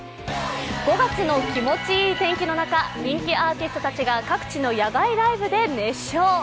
５月の気持ちいい天気の中人気アーティストたちが各地の野外ライブで熱唱。